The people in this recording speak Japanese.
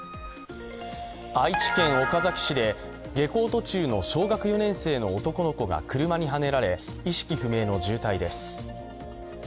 愛知県岡崎市で下校途中の小学４年生の男の子が車にはねられ、意識不明の重体です。